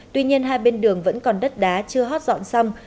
tuy nhiên hai bên đường vẫn còn đất đá chưa hot dọn xong